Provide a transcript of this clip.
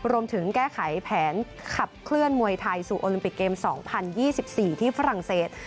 รวมถึงแก้ไขแผนขับเคลื่อนมวยไทยสู่โอลิมปิกเกม๒๐๒๔ที่ฝรั่งเศส